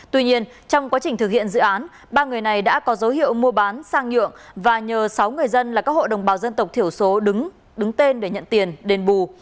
tuy nhiên trong quá trình thực hiện dự án ba người này đã có dấu hiệu mua bán sang nhượng và nhờ sáu người dân là các hộ đồng bào dân tộc thiểu số đứng tên để nhận tiền đền bù